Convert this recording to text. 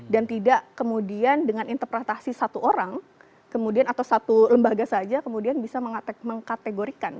dan tidak kemudian dengan interpretasi satu orang kemudian atau satu lembaga saja kemudian bisa mengkategorikan seseorang ini atau orang lain